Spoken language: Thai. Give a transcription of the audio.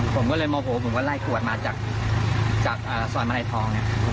ผมก็เลยโมโหผมก็ไล่ขวดมาจากซอยมะไหล่ทอง